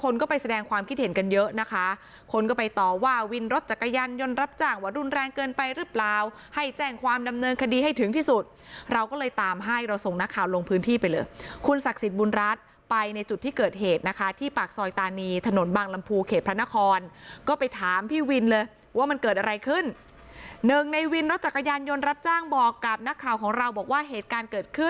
แรงเกินไปหรือเปล่าให้แจ้งความดำเนินคดีให้ถึงที่สุดเราก็เลยตามให้เราส่งนักข่าวลงพื้นที่ไปเลยคุณศักดิ์สิทธิ์บุญรัฐไปในจุดที่เกิดเหตุนะคะที่ปากซอยตานีถนนบางลำพูเขตพระนครก็ไปถามพี่วินเลยว่ามันเกิดอะไรขึ้นหนึ่งในวินรถจักรยานยนต์รับจ้างบอกกับนักข่าวของเราบอกว่าเหตุการณ์เกิดขึ